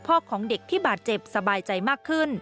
ของเด็กที่บาดเจ็บสบายใจมากขึ้น